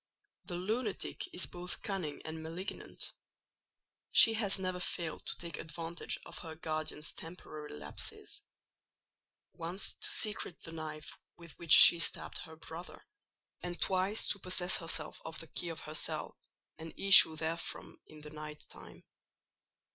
The lunatic is both cunning and malignant; she has never failed to take advantage of her guardian's temporary lapses; once to secrete the knife with which she stabbed her brother, and twice to possess herself of the key of her cell, and issue therefrom in the night time.